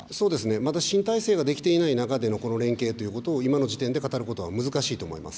まだ新体制が出来ていない中でのこの連携ということを、今の時点で語ることは難しいと思います。